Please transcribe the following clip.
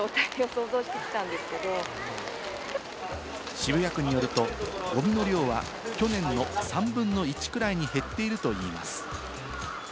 渋谷区によると、ゴミの量は去年の３分の１くらいに減っているといいます。